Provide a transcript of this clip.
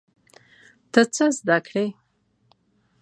ته څه زده کړې؟